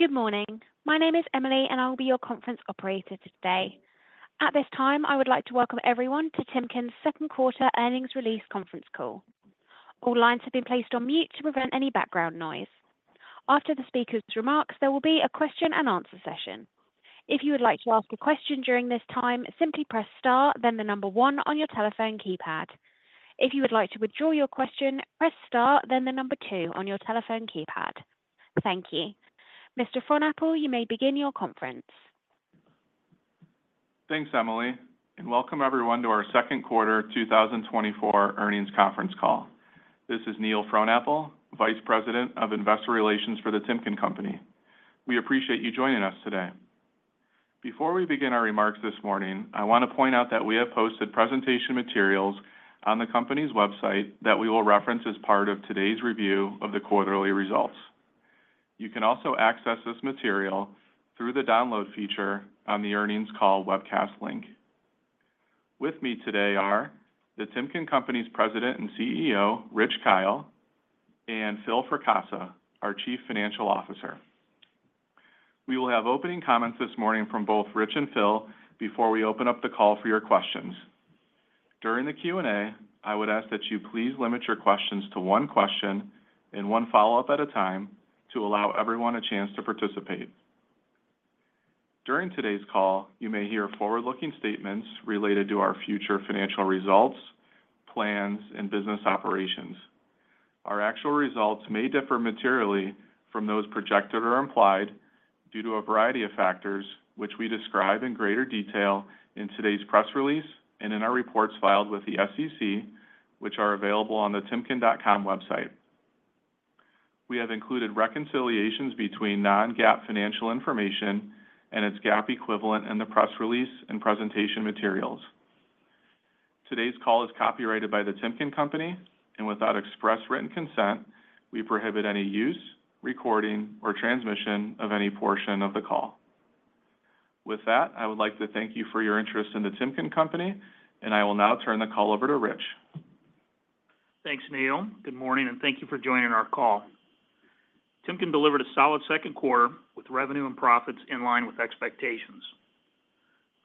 Good morning. My name is Emily, and I will be your conference operator today. At this time, I would like to welcome everyone to Timken's second quarter earnings release conference call. All lines have been placed on mute to prevent any background noise. After the speaker's remarks, there will be a question and answer session. If you would like to ask a question during this time, simply press star, then the number one on your telephone keypad. If you would like to withdraw your question, press star, then the number two on your telephone keypad. Thank you. Mr. Fronapfel, you may begin your conference. Thanks, Emily, and welcome everyone to our second quarter 2024 earnings conference call. This is Neil Fronapfel, Vice President of Investor Relations for The Timken Company. We appreciate you joining us today. Before we begin our remarks this morning, I want to point out that we have posted presentation materials on the company's website that we will reference as part of today's review of the quarterly results. You can also access this material through the download feature on the earnings call webcast link. With me today are The Timken Company's President and CEO, Rich Kyle, and Phil Fracassa, our Chief Financial Officer. We will have opening comments this morning from both Rich and Phil before we open up the call for your questions. During the Q&A, I would ask that you please limit your questions to one question and one follow-up at a time to allow everyone a chance to participate. During today's call, you may hear forward-looking statements related to our future financial results, plans, and business operations. Our actual results may differ materially from those projected or implied due to a variety of factors, which we describe in greater detail in today's press release and in our reports filed with the SEC, which are available on the timken.com website. We have included reconciliations between non-GAAP financial information and its GAAP equivalent in the press release and presentation materials. Today's call is copyrighted by The Timken Company, and without express written consent, we prohibit any use, recording, or transmission of any portion of the call. With that, I would like to thank you for your interest in The Timken Company, and I will now turn the call over to Rich. Thanks, Neil. Good morning, and thank you for joining our call. Timken delivered a solid second quarter with revenue and profits in line with expectations.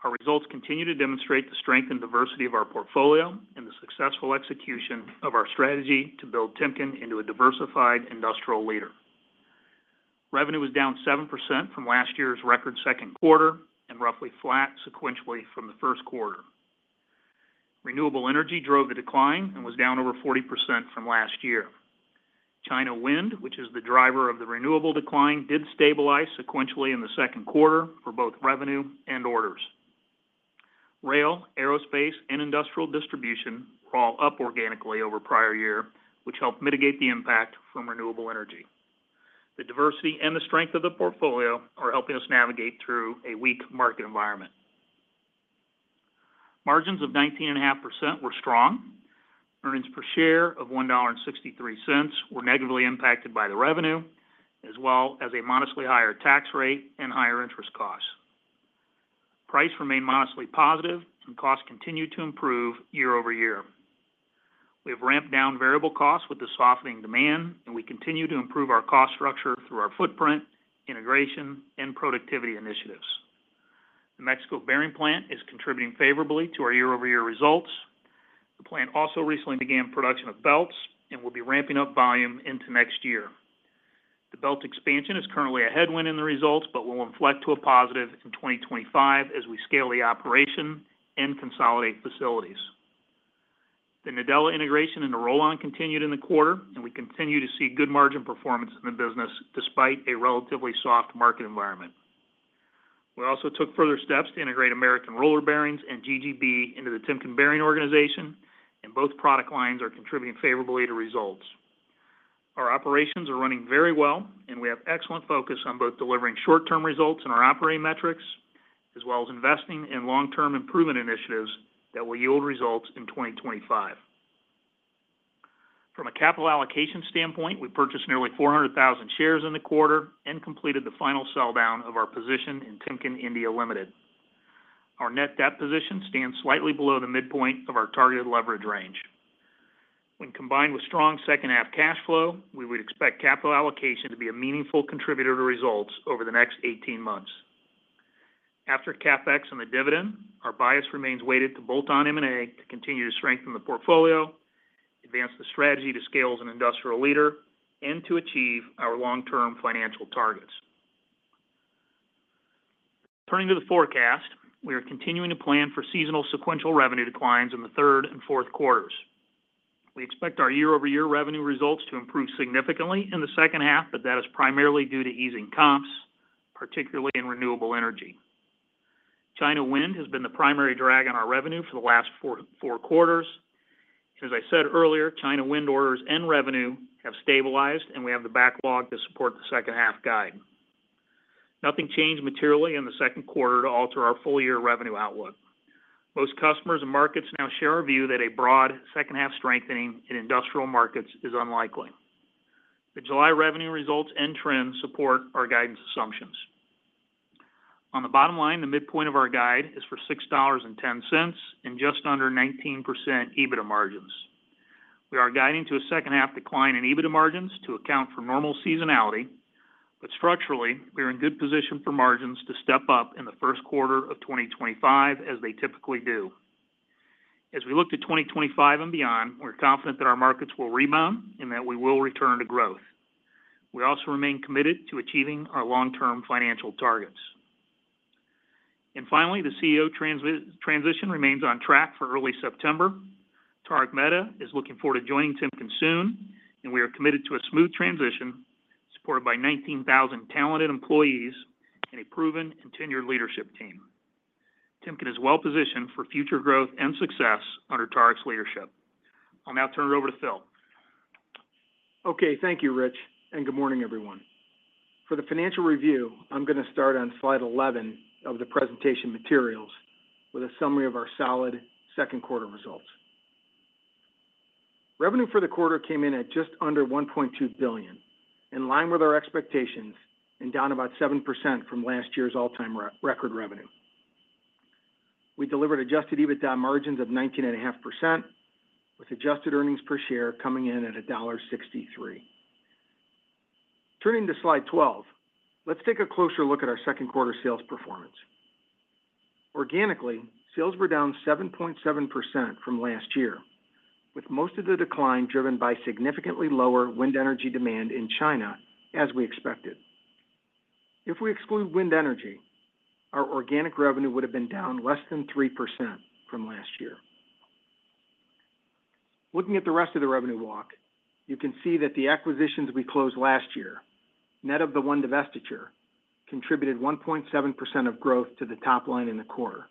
Our results continue to demonstrate the strength and diversity of our portfolio and the successful execution of our strategy to build Timken into a diversified industrial leader. Revenue was down 7% from last year's record second quarter and roughly flat sequentially from the first quarter. Renewable energy drove the decline and was down over 40% from last year. China wind, which is the driver of the renewable decline, did stabilize sequentially in the second quarter for both revenue and orders. Rail, aerospace, and industrial distribution were all up organically over prior year, which helped mitigate the impact from renewable energy. The diversity and the strength of the portfolio are helping us navigate through a weak market environment. Margins of 19.5% were strong. Earnings per share of $1.63 were negatively impacted by the revenue, as well as a modestly higher tax rate and higher interest costs. Price remained modestly positive and costs continued to improve year-over-year. We have ramped down variable costs with the softening demand, and we continue to improve our cost structure through our footprint, integration, and productivity initiatives. The Mexico bearing plant is contributing favorably to our year-over-year results. The plant also recently began production of belts and will be ramping up volume into next year. The belt expansion is currently a headwind in the results, but will inflect to a positive in 2025 as we scale the operation and consolidate facilities. The Nadella integration and the Rollon continued in the quarter, and we continue to see good margin performance in the business despite a relatively soft market environment. We also took further steps to integrate American Roller Bearing and GGB into the Timken Bearing organization, and both product lines are contributing favorably to results. Our operations are running very well, and we have excellent focus on both delivering short-term results in our operating metrics, as well as investing in long-term improvement initiatives that will yield results in 2025. From a capital allocation standpoint, we purchased nearly 400,000 shares in the quarter and completed the final sell-down of our position in Timken India Limited. Our net debt position stands slightly below the midpoint of our targeted leverage range. When combined with strong second-half cash flow, we would expect capital allocation to be a meaningful contributor to results over the next 18 months. After CapEx and the dividend, our bias remains weighted to bolt-on M&A to continue to strengthen the portfolio, advance the strategy to scale as an industrial leader, and to achieve our long-term financial targets. Turning to the forecast, we are continuing to plan for seasonal sequential revenue declines in the third and fourth quarters. We expect our year-over-year revenue results to improve significantly in the second half, but that is primarily due to easing comps, particularly in renewable energy. China Wind has been the primary drag on our revenue for the last 4, 4 quarters. As I said earlier, China Wind orders and revenue have stabilized, and we have the backlog to support the second half guide. Nothing changed materially in the second quarter to alter our full-year revenue outlook. Most customers and markets now share our view that a broad second-half strengthening in industrial markets is unlikely. The July revenue results and trends support our guidance assumptions. On the bottom line, the midpoint of our guide is for $6.10, and just under 19% EBITDA margins. We are guiding to a second half decline in EBITDA margins to account for normal seasonality, but structurally, we are in good position for margins to step up in the first quarter of 2025, as they typically do. As we look to 2025 and beyond, we're confident that our markets will rebound and that we will return to growth. We also remain committed to achieving our long-term financial targets. And finally, the CEO transition remains on track for early September. Tarak Mehta is looking forward to joining Timken soon, and we are committed to a smooth transition, supported by 19,000 talented employees and a proven and tenured leadership team. Timken is well-positioned for future growth and success under Tarak's leadership. I'll now turn it over to Phil. Okay, thank you, Rich, and good morning, everyone. For the financial review, I'm going to start on slide 11 of the presentation materials with a summary of our solid second quarter results. Revenue for the quarter came in at just under $1.2 billion, in line with our expectations, and down about 7% from last year's all-time record revenue. We delivered adjusted EBITDA margins of 19.5%, with adjusted earnings per share coming in at $1.63. Turning to slide 12, let's take a closer look at our second quarter sales performance. Organically, sales were down 7.7% from last year, with most of the decline driven by significantly lower wind energy demand in China, as we expected. If we exclude wind energy, our organic revenue would have been down less than 3% from last year. Looking at the rest of the revenue walk, you can see that the acquisitions we closed last year, net of the one divestiture, contributed 1.7% of growth to the top line in the quarter,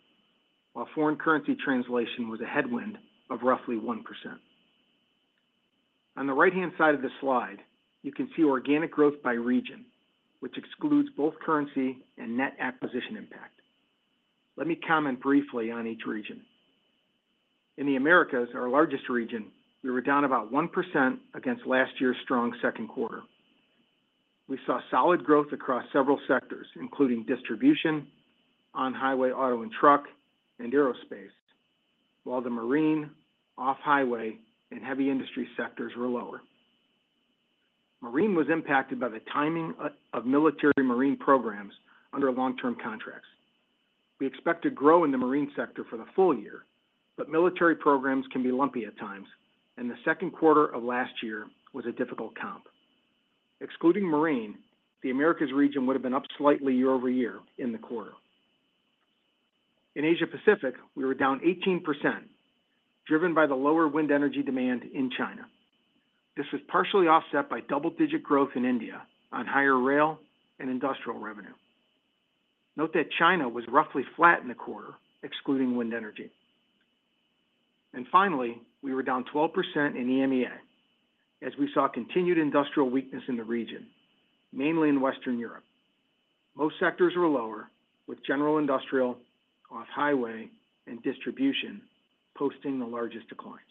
while foreign currency translation was a headwind of roughly 1%. On the right-hand side of the slide, you can see organic growth by region, which excludes both currency and net acquisition impact. Let me comment briefly on each region. In the Americas, our largest region, we were down about 1% against last year's strong second quarter. We saw solid growth across several sectors, including distribution, on-highway, auto and truck, and aerospace, while the marine, off-highway, and heavy industry sectors were lower. Marine was impacted by the timing of military marine programs under long-term contracts. We expect to grow in the marine sector for the full year, but military programs can be lumpy at times, and the second quarter of last year was a difficult comp. Excluding marine, the Americas region would have been up slightly year-over-year in the quarter. In Asia Pacific, we were down 18%, driven by the lower wind energy demand in China. This was partially offset by double-digit growth in India on higher rail and industrial revenue. Note that China was roughly flat in the quarter, excluding wind energy. And finally, we were down 12% in EMEA, as we saw continued industrial weakness in the region, mainly in Western Europe. Most sectors were lower, with general industrial, off-highway, and distribution posting the largest declines.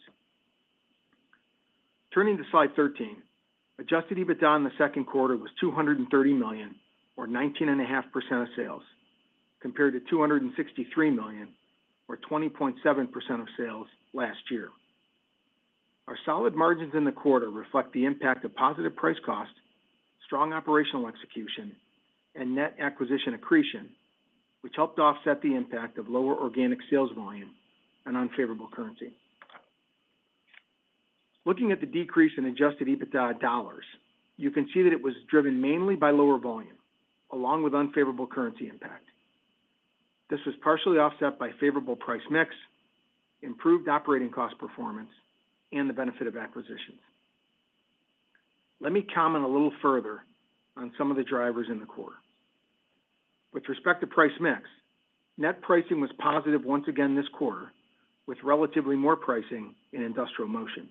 Turning to slide 13, adjusted EBITDA in the second quarter was $230 million or 19.5% of sales, compared to $263 million or 20.7% of sales last year. Our solid margins in the quarter reflect the impact of positive price cost, strong operational execution, and net acquisition accretion, which helped to offset the impact of lower organic sales volume and unfavorable currency. Looking at the decrease in adjusted EBITDA dollars, you can see that it was driven mainly by lower volume, along with unfavorable currency impact. This was partially offset by favorable price mix, improved operating cost performance, and the benefit of acquisitions. Let me comment a little further on some of the drivers in the quarter. With respect to price mix, net pricing was positive once again this quarter, with relatively more pricing in industrial motion.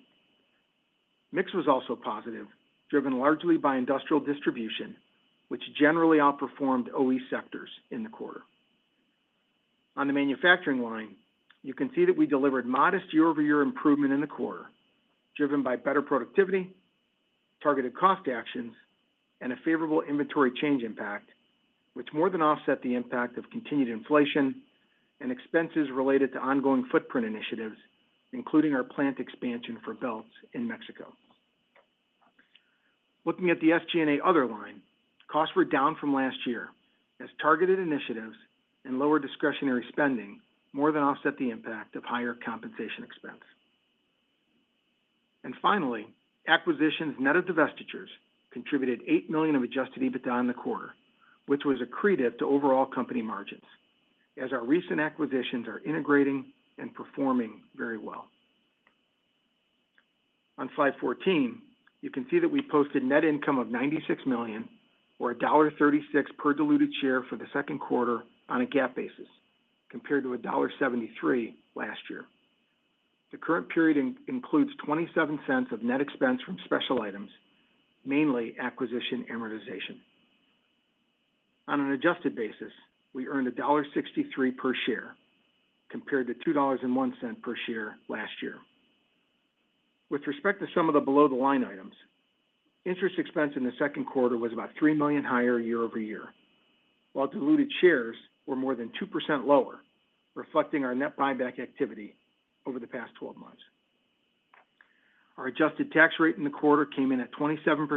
Mix was also positive, driven largely by industrial distribution, which generally outperformed OE sectors in the quarter. On the manufacturing line, you can see that we delivered modest year-over-year improvement in the quarter, driven by better productivity, targeted cost actions, and a favorable inventory change impact, which more than offset the impact of continued inflation and expenses related to ongoing footprint initiatives, including our plant expansion for belts in Mexico. Looking at the SG&A other line, costs were down from last year, as targeted initiatives and lower discretionary spending more than offset the impact of higher compensation expense. And finally, acquisitions net of divestitures contributed $8 million of Adjusted EBITDA in the quarter, which was accretive to overall company margins, as our recent acquisitions are integrating and performing very well. On slide 14, you can see that we posted net income of $96 million or $1.36 per diluted share for the second quarter on a GAAP basis, compared to $1.73 last year. The current period includes $0.27 of net expense from special items, mainly acquisition amortization. On an adjusted basis, we earned $1.63 per share, compared to $2.01 per share last year. With respect to some of the below-the-line items, interest expense in the second quarter was about $3 million higher year-over-year, while diluted shares were more than 2% lower, reflecting our net buyback activity over the past 12 months. Our adjusted tax rate in the quarter came in at 27%,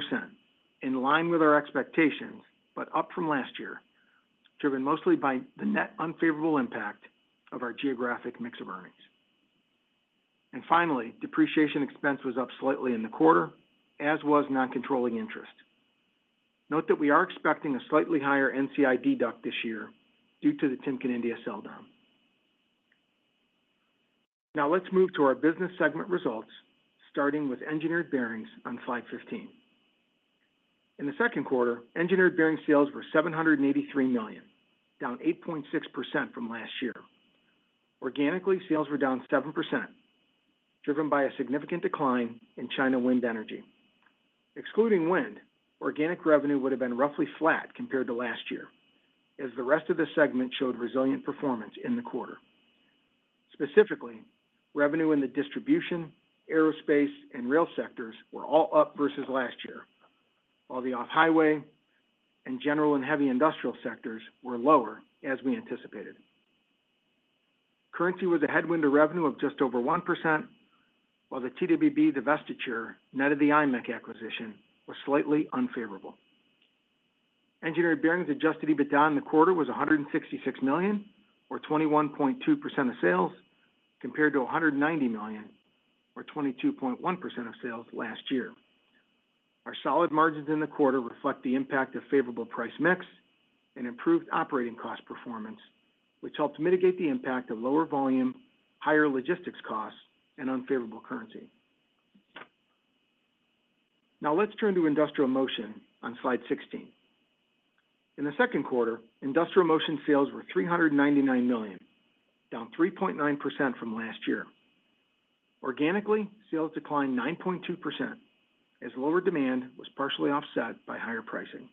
in line with our expectations, but up from last year, driven mostly by the net unfavorable impact of our geographic mix of earnings. Finally, depreciation expense was up slightly in the quarter, as was non-controlling interest. Note that we are expecting a slightly higher NCI impact this year due to the Timken India sell-down. Now let's move to our business segment results, starting with engineered bearings on slide 15. In the second quarter, engineered bearing sales were $783 million, down 8.6% from last year. Organically, sales were down 7%, driven by a significant decline in China wind energy. Excluding wind, organic revenue would have been roughly flat compared to last year, as the rest of the segment showed resilient performance in the quarter. Specifically, revenue in the distribution, aerospace, and rail sectors were all up versus last year, while the off-highway and general and heavy industrial sectors were lower, as we anticipated. Currency was a headwind to revenue of just over 1%, while the TWB divestiture, net of the iMECH acquisition, was slightly unfavorable. Engineered Bearings Adjusted EBITDA in the quarter was $166 million, or 21.2% of sales, compared to $190 million, or 22.1% of sales last year. Our solid margins in the quarter reflect the impact of favorable price mix and improved operating cost performance, which helped mitigate the impact of lower volume, higher logistics costs, and unfavorable currency. Now let's turn to Industrial Motion on slide 16. In the second quarter, Industrial Motion sales were $399 million, down 3.9% from last year. Organically, sales declined 9.2%, as lower demand was partially offset by higher pricing.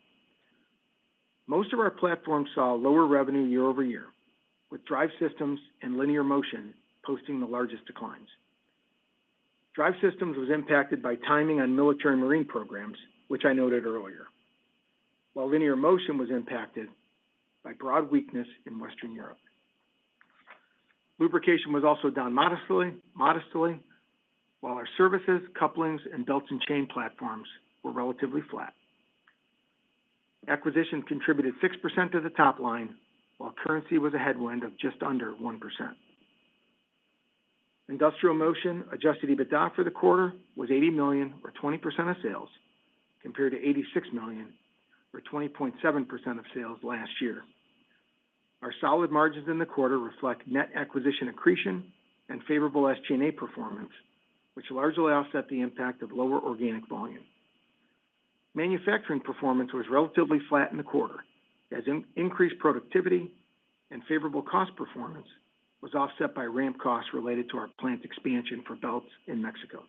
Most of our platforms saw lower revenue year-over-year, with drive systems and linear motion posting the largest declines. Drive systems was impacted by timing on military and marine programs, which I noted earlier, while linear motion was impacted by broad weakness in Western Europe. Lubrication was also down modestly, while our services, couplings, and belts and chain platforms were relatively flat. Acquisition contributed 6% to the top line, while currency was a headwind of just under 1%. Industrial motion adjusted EBITDA for the quarter was $80 million or 20% of sales, compared to $86 million or 20.7% of sales last year. Our solid margins in the quarter reflect net acquisition accretion and favorable SG&A performance, which largely offset the impact of lower organic volume. Manufacturing performance was relatively flat in the quarter, as increased productivity and favorable cost performance was offset by ramp costs related to our plant expansion for belts in Mexico.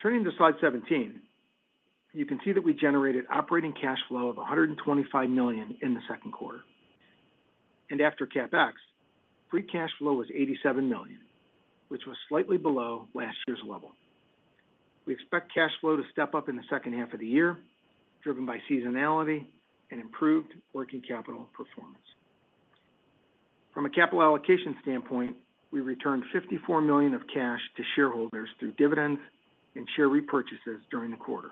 Turning to slide 17, you can see that we generated operating cash flow of $125 million in the second quarter, and after CapEx, free cash flow was $87 million, which was slightly below last year's level. We expect cash flow to step up in the second half of the year, driven by seasonality and improved working capital performance. From a capital allocation standpoint, we returned $54 million of cash to shareholders through dividends and share repurchases during the quarter.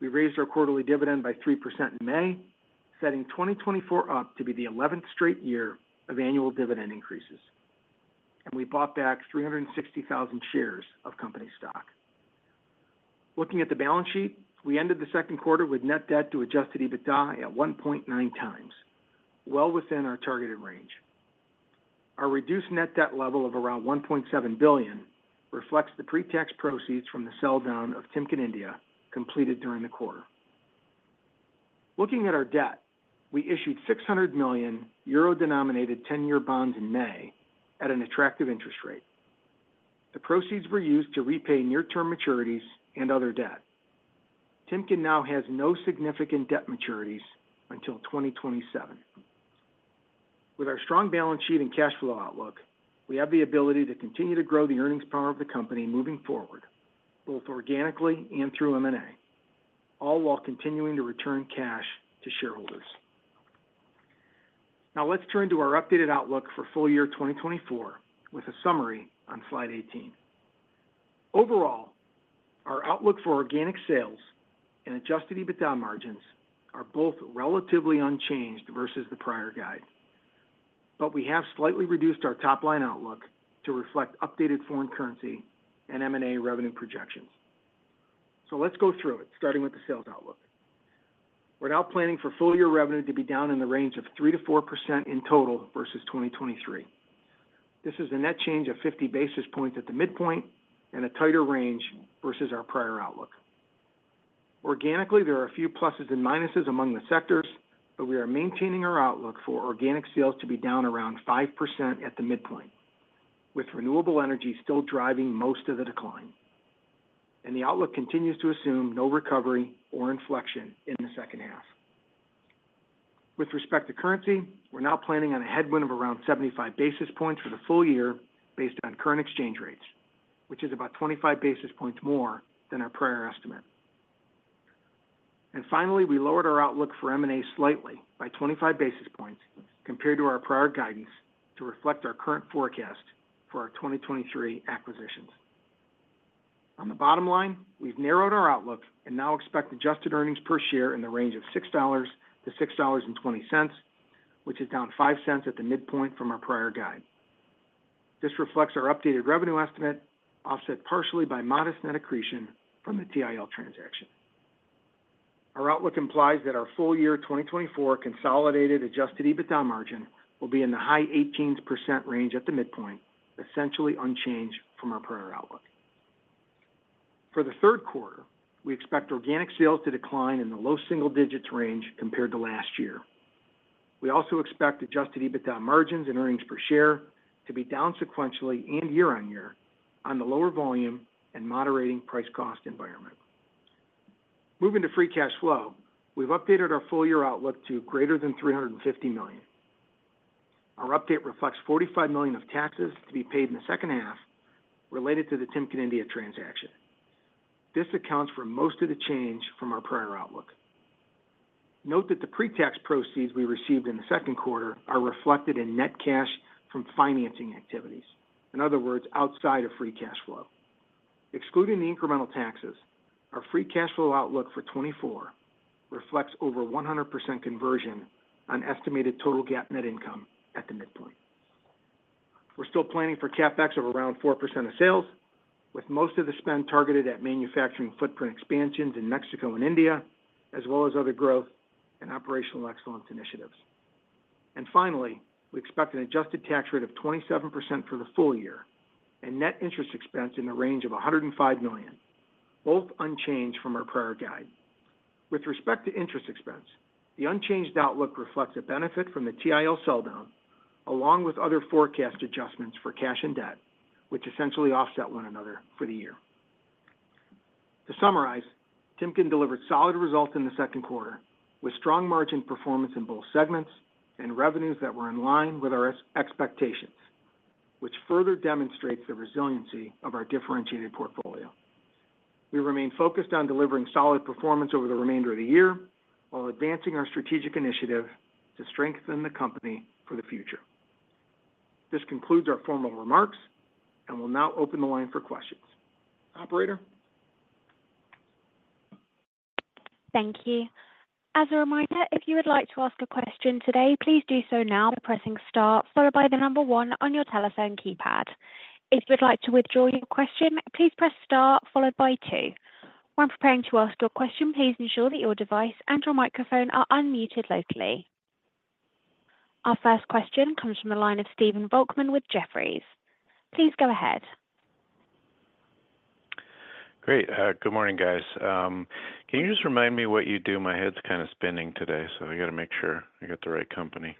We raised our quarterly dividend by 3% in May, setting 2024 up to be the 11th straight year of annual dividend increases, and we bought back 360,000 shares of company stock. Looking at the balance sheet, we ended the second quarter with net debt to adjusted EBITDA at 1.9 times, well within our targeted range. Our reduced net debt level of around $1.7 billion reflects the pre-tax proceeds from the sell-down of Timken India, completed during the quarter. Looking at our debt, we issued €600 million euro-denominated 10-year bonds in May at an attractive interest rate. The proceeds were used to repay near-term maturities and other debt. Timken now has no significant debt maturities until 2027. With our strong balance sheet and cash flow outlook, we have the ability to continue to grow the earnings power of the company moving forward, both organically and through M&A, all while continuing to return cash to shareholders. Now, let's turn to our updated outlook for full year 2024, with a summary on slide 18. Overall, our outlook for organic sales and adjusted EBITDA margins are both relatively unchanged versus the prior guide, but we have slightly reduced our top-line outlook to reflect updated foreign currency and M&A revenue projections. So let's go through it, starting with the sales outlook. We're now planning for full-year revenue to be down in the range of 3% to 4% in total versus 2023. This is a net change of 50 basis points at the midpoint and a tighter range versus our prior outlook. Organically, there are a few pluses and minuses among the sectors, but we are maintaining our outlook for organic sales to be down around 5% at the midpoint, with renewable energy still driving most of the decline. The outlook continues to assume no recovery or inflection in the second half. With respect to currency, we're now planning on a headwind of around 75 basis points for the full year based on current exchange rates, which is about 25 basis points more than our prior estimate. And finally, we lowered our outlook for M&A slightly by 25 basis points compared to our prior guidance, to reflect our current forecast for our 2023 acquisitions. On the bottom line, we've narrowed our outlook and now expect adjusted earnings per share in the range of $6 to $6.20, which is down $0.05 at the midpoint from our prior guide. This reflects our updated revenue estimate, offset partially by modest net accretion from the TIL transaction. Our outlook implies that our full year 2024 consolidated adjusted EBITDA margin will be in the high 18% range at the midpoint, essentially unchanged from our prior outlook. For the third quarter, we expect organic sales to decline in the low single digits range compared to last year. We also expect adjusted EBITDA margins and earnings per share to be down sequentially and year-on-year on the lower volume and moderating price-cost environment. Moving to free cash flow, we've updated our full year outlook to greater than $350 million. Our update reflects $45 million of taxes to be paid in the second half related to the Timken India transaction. This accounts for most of the change from our prior outlook. Note that the pretax proceeds we received in the second quarter are reflected in net cash from financing activities, in other words, outside of free cash flow. Excluding the incremental taxes, our free cash flow outlook for 2024 reflects over 100% conversion on estimated total GAAP net income at the midpoint. We're still planning for CapEx of around 4% of sales, with most of the spend targeted at manufacturing footprint expansions in Mexico and India, as well as other growth and operational excellence initiatives. Finally, we expect an adjusted tax rate of 27% for the full year and net interest expense in the range of $105 million, both unchanged from our prior guide. With respect to interest expense, the unchanged outlook reflects a benefit from the TIL sell down, along with other forecast adjustments for cash and debt, which essentially offset one another for the year. To summarize, Timken delivered solid results in the second quarter, with strong margin performance in both segments and revenues that were in line with our expectations, which further demonstrates the resiliency of our differentiated portfolio. We remain focused on delivering solid performance over the remainder of the year, while advancing our strategic initiative to strengthen the company for the future. This concludes our formal remarks, and we'll now open the line for questions. Operator? Thank you. As a reminder, if you would like to ask a question today, please do so now by pressing star, followed by the number one on your telephone keypad. If you'd like to withdraw your question, please press star followed by two. When preparing to ask your question, please ensure that your device and your microphone are unmuted locally. Our first question comes from the line of Stephen Volkmann with Jefferies. Please go ahead. Great. Good morning, guys. Can you just remind me what you do? My head's kind of spinning today, so I got to make sure I got the right company.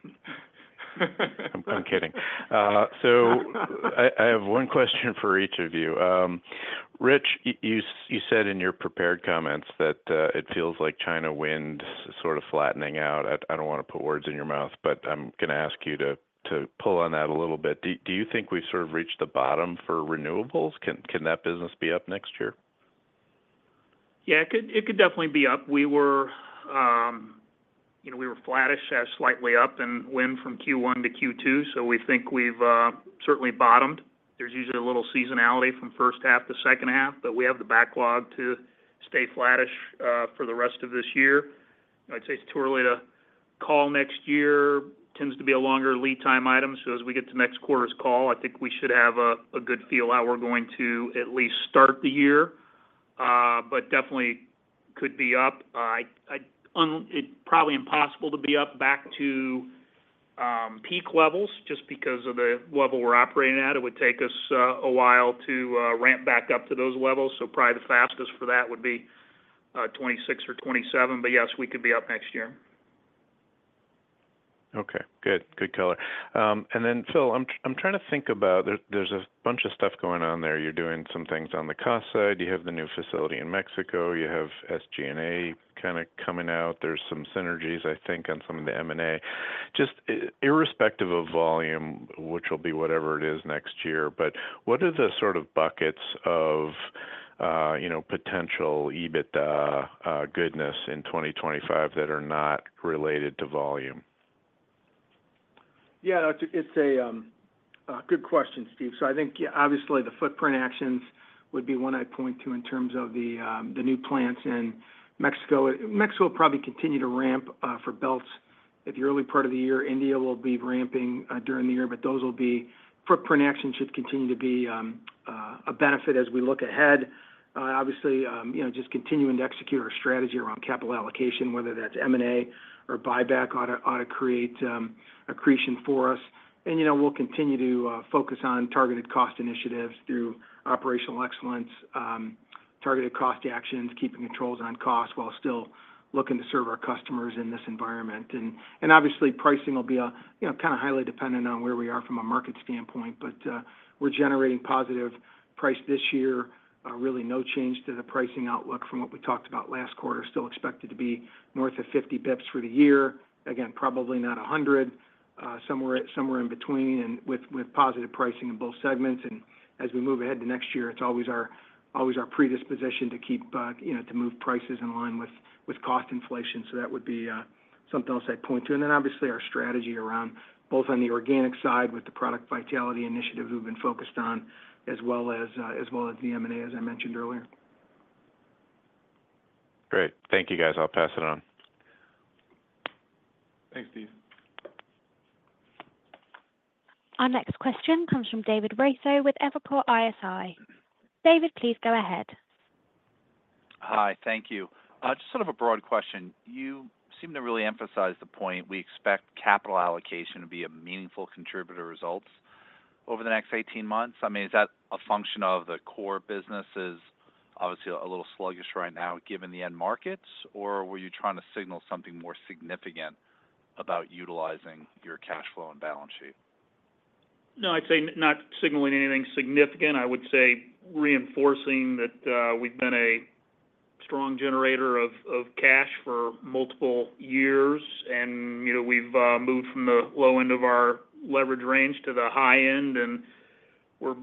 I'm kidding. So I, I have one question for each of you. Rich, you, you said in your prepared comments that, it feels like China wind sort of flattening out. I, I don't want to put words in your mouth, but I'm going to ask you to, to pull on that a little bit. Do, do you think we've sort of reached the bottom for renewables? Can, can that business be up next year? Yeah, it could, it could definitely be up. We were, you know, we were flattish, slightly up in wind from Q1 to Q2, so we think we've certainly bottomed. There's usually a little seasonality from first half to second half, but we have the backlog to stay flattish for the rest of this year. I'd say it's too early to call next year. Tends to be a longer lead time item, so as we get to next quarter's call, I think we should have a good feel how we're going to at least start the year, but definitely could be up. It's probably impossible to be up back to peak levels just because of the level we're operating at. It would take us a while to ramp back up to those levels, so probably the fastest for that would be 2026 or 2027. But yes, we could be up next year. Okay, good. Good color. And then, Phil, I'm trying to think about... There's a bunch of stuff going on there. You're doing some things on the cost side. You have the new facility in Mexico, you have SG&A kind of coming out. There's some synergies, I think, on some of the M&A. Just irrespective of volume, which will be whatever it is next year, but what are the sort of buckets of, you know, potential EBITDA goodness in 2025 that are not related to volume? Yeah, it's a good question, Steve. So I think, obviously, the footprint actions would be one I'd point to in terms of the new plants in Mexico. Mexico will probably continue to ramp for belts. In the early part of the year, India will be ramping during the year, but those will be footprint actions should continue to be a benefit as we look ahead. Obviously, you know, just continuing to execute our strategy around capital allocation, whether that's M&A or buyback, ought to, ought to create accretion for us. And you know, we'll continue to focus on targeted cost initiatives through operational excellence, targeted cost actions, keeping controls on cost while still looking to serve our customers in this environment. Obviously, pricing will be a, you know, kind of highly dependent on where we are from a market standpoint, but we're generating positive price this year. Really no change to the pricing outlook from what we talked about last quarter. Still expected to be north of 50 basis points for the year. Again, probably not 100, somewhere in between and with positive pricing in both segments. And as we move ahead to next year, it's always our predisposition to keep, you know, to move prices in line with cost inflation. So that would be something else I'd point to. And then obviously, our strategy around both on the organic side with the product vitality initiative we've been focused on, as well as the M&A, as I mentioned earlier.... Great. Thank you, guys. I'll pass it on. Thanks, Steve. Our next question comes from David Raso with Evercore ISI. David, please go ahead. Hi, thank you. Just sort of a broad question. You seem to really emphasize the point we expect capital allocation to be a meaningful contributor to results over the next 18 months. I mean, is that a function of the core businesses, obviously, a little sluggish right now given the end markets, or were you trying to signal something more significant about utilizing your cash flow and balance sheet? No, I'd say not signaling anything significant. I would say reinforcing that, we've been a strong generator of cash for multiple years, and, you know, we've moved from the low end of our leverage range to the high end, and we're,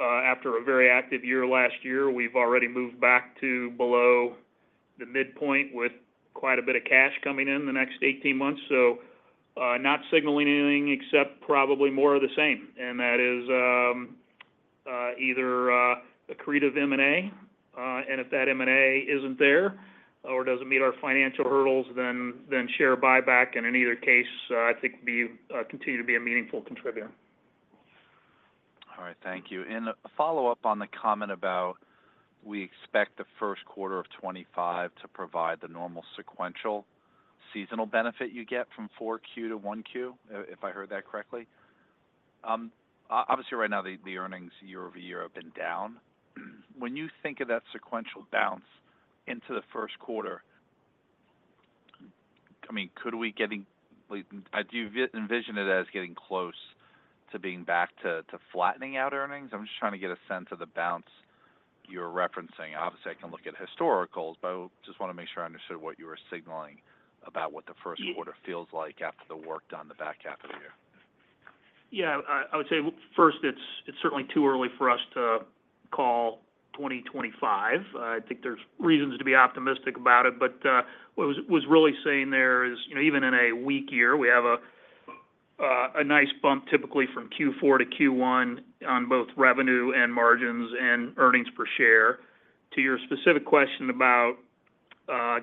after a very active year last year, we've already moved back to below the midpoint, with quite a bit of cash coming in the next 18 months. So, not signaling anything except probably more of the same, and that is, either, accretive M&A, and if that M&A isn't there or doesn't meet our financial hurdles, then, share buyback, and in either case, I think we continue to be a meaningful contributor. All right. Thank you. And a follow-up on the comment about we expect the first quarter of 2025 to provide the normal sequential seasonal benefit you get from 4Q to 1Q, if I heard that correctly. Obviously, right now, the earnings year-over-year have been down. When you think of that sequential bounce into the first quarter, I mean, do you envision it as getting close to being back to flattening out earnings? I'm just trying to get a sense of the bounce you're referencing. Obviously, I can look at historicals, but I just want to make sure I understood what you were signaling about what the first quarter feels like after the work done the back half of the year. Yeah, I would say, first, it's certainly too early for us to call 2025. I think there's reasons to be optimistic about it, but what we were really saying there is, you know, even in a weak year, we have a nice bump, typically from Q4 to Q1 on both revenue and margins and earnings per share. To your specific question about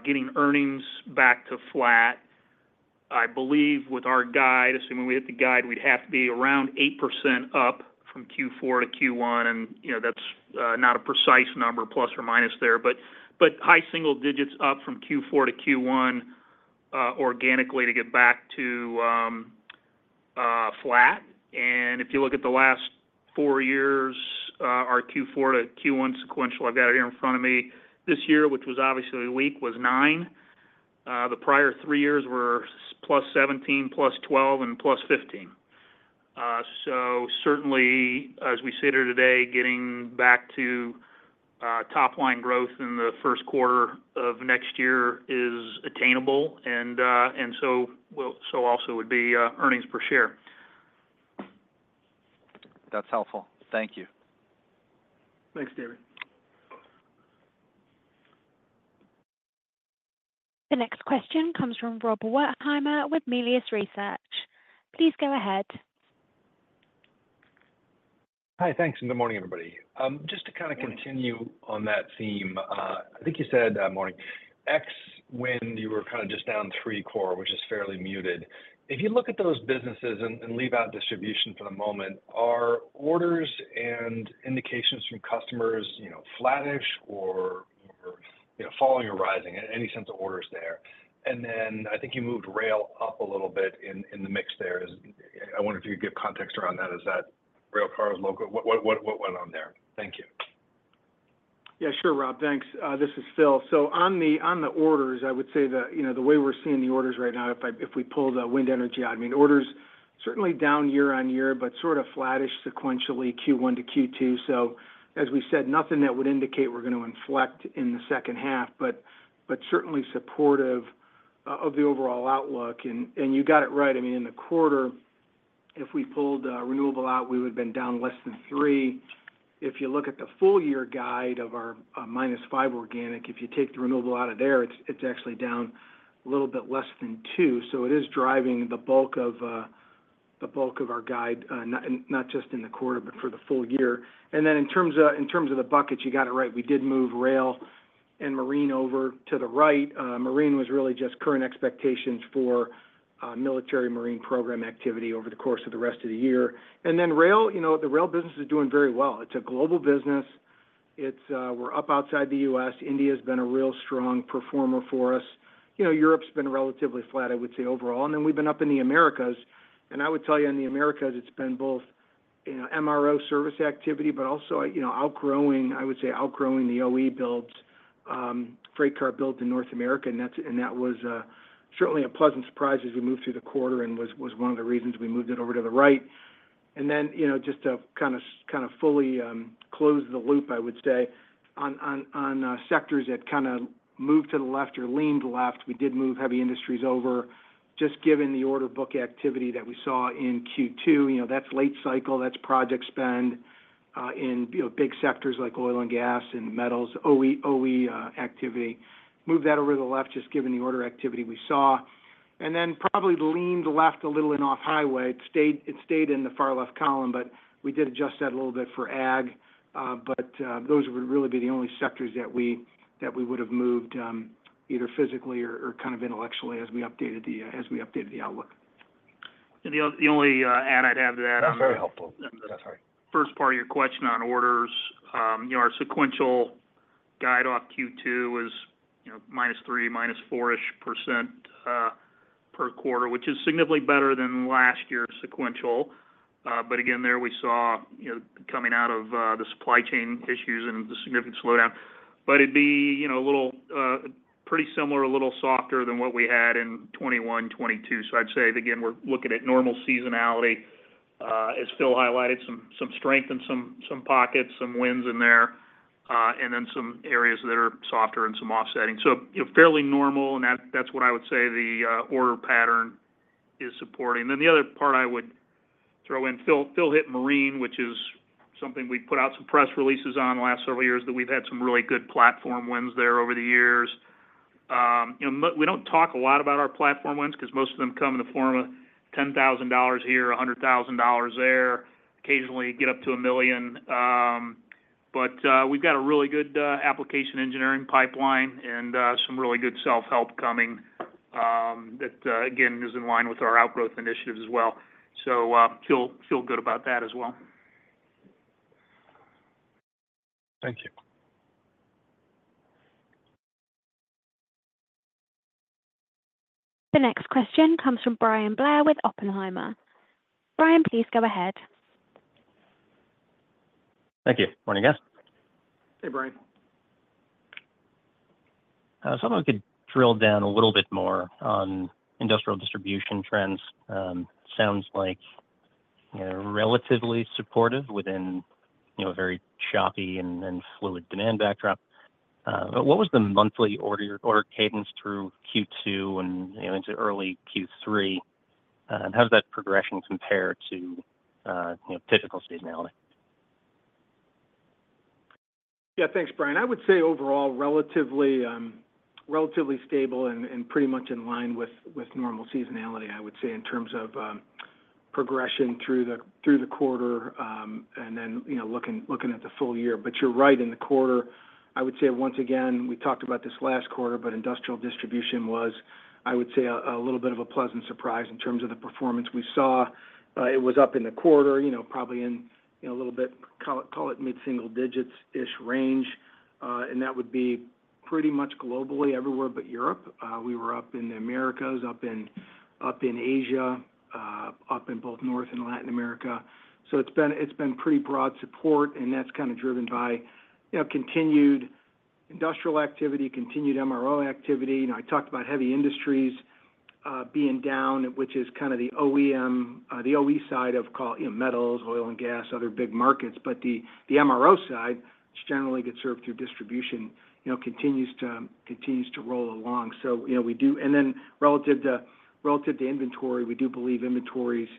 getting earnings back to flat, I believe with our guide, assuming we hit the guide, we'd have to be around 8% up from Q4 to Q1, and, you know, that's not a precise number, plus or minus there, but high single digits up from Q4 to Q1 organically to get back to flat. If you look at the last four years, our Q4 to Q1 sequential, I've got it here in front of me. This year, which was obviously weak, was 9. The prior three years were +17, +12, and +15. So certainly, as we sit here today, getting back to top-line growth in the first quarter of next year is attainable, and so also would be earnings per share. That's helpful. Thank you. Thanks, David. The next question comes from Rob Wertheimer with Melius Research. Please go ahead. Hi. Thanks, and good morning, everybody. Just to kind of continue on that theme, I think you said morning, X, when you were kind of just down three core, which is fairly muted. If you look at those businesses and leave out distribution for the moment, are orders and indications from customers, you know, flattish or you know, falling or rising? Any sense of orders there. And then, I think you moved rail up a little bit in the mix there. Is. I wondered if you could give context around that. Is that rail cars local? What went on there? Thank you. Yeah, sure, Rob. Thanks. This is Phil. So on the, on the orders, I would say that, you know, the way we're seeing the orders right now, if we pull the wind energy out, I mean, orders certainly down year on year, but sort of flattish sequentially, Q1 to Q2. So as we said, nothing that would indicate we're going to inflect in the second half, but certainly supportive of the overall outlook. And you got it right. I mean, in the quarter, if we pulled renewable out, we would've been down less than 3%. If you look at the full year guide of our minus 5% organic, if you take the renewable out of there, it's actually down a little bit less than 2%. So it is driving the bulk of our guide, not just in the quarter, but for the full year. And then in terms of the buckets, you got it right. We did move rail and marine over to the right. Marine was really just current expectations for military marine program activity over the course of the rest of the year. And then rail, you know, the rail business is doing very well. It's a global business. It's, we're up outside the US. India has been a real strong performer for us. You know, Europe's been relatively flat, I would say, overall, and then we've been up in the Americas. And I would tell you, in the Americas, it's been both, you know, MRO service activity, but also, you know, outgrowing, I would say, outgrowing the OE builds, freight car builds in North America, and that's, and that was certainly a pleasant surprise as we moved through the quarter and was one of the reasons we moved it over to the right. And then, you know, just to kind of fully close the loop, I would say on sectors that kind of moved to the left or leaned left, we did move heavy industries over. Just given the order book activity that we saw in Q2, you know, that's late cycle, that's project spend in big sectors like oil and gas and metals, OE activity. ... move that over to the left, just given the order activity we saw. And then probably leaned left a little in off highway. It stayed in the far left column, but we did adjust that a little bit for ag. But those would really be the only sectors that we would have moved, either physically or kind of intellectually as we updated the outlook. The only add I'd add to that- That's very helpful. Sorry. First part of your question on orders, you know, our sequential guide off Q2 was, you know, minus 3, minus 4-ish% per quarter, which is significantly better than last year's sequential. But again, there we saw, you know, coming out of the supply chain issues and the significant slowdown. But it'd be, you know, a little pretty similar, a little softer than what we had in 2021, 2022. So I'd say, again, we're looking at normal seasonality. As Phil highlighted, some strength in some pockets, some wins in there, and then some areas that are softer and some offsetting. So, you know, fairly normal, and that's what I would say the order pattern is supporting. Then the other part I would throw in, Phil, Phil hit Marine, which is something we've put out some press releases on the last several years, that we've had some really good platform wins there over the years. You know, we don't talk a lot about our platform wins because most of them come in the form of $10,000 here, $100,000 there, occasionally get up to $1 million. But we've got a really good application engineering pipeline and some really good self-help coming, that again is in line with our outgrowth initiatives as well. Feel, feel good about that as well. Thank you. The next question comes from Bryan Blair with Oppenheimer. Bryan, please go ahead. Thank you. Morning, guys. Hey, Bryan. So if I could drill down a little bit more on industrial distribution trends. Sounds like, you know, relatively supportive within, you know, a very choppy and fluid demand backdrop. What was the monthly order cadence through Q2 and, you know, into early Q3? And how does that progression compare to, you know, typical seasonality? Yeah. Thanks, Bryan. I would say overall, relatively stable and pretty much in line with normal seasonality, I would say, in terms of progression through the quarter, and then, you know, looking at the full year. But you're right, in the quarter, I would say once again, we talked about this last quarter, but industrial distribution was, I would say, a little bit of a pleasant surprise in terms of the performance we saw. It was up in the quarter, you know, probably in a little bit, call it mid-single digits-ish range. And that would be pretty much globally everywhere but Europe. We were up in the Americas, up in Asia, up in both North and Latin America. So it's been pretty broad support, and that's kind of driven by, you know, continued industrial activity, continued MRO activity. You know, I talked about heavy industries being down, which is kind of the OEM—the OE side of, you know, metals, oil and gas, other big markets. But the MRO side, which generally gets served through distribution, you know, continues to roll along. So, you know, we do. And then relative to inventory, we do believe inventories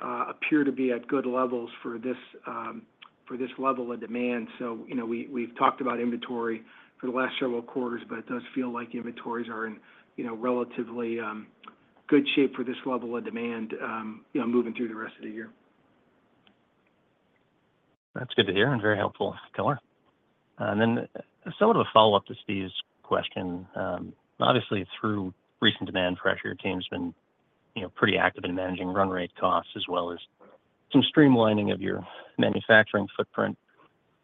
appear to be at good levels for this level of demand. So, you know, we've talked about inventory for the last several quarters, but it does feel like inventories are in, you know, relatively good shape for this level of demand, you know, moving through the rest of the year. That's good to hear, and very helpful color. And then somewhat of a follow-up to Steve's question. Obviously, through recent demand pressure, your team's been, you know, pretty active in managing run rate costs, as well as some streamlining of your manufacturing footprint.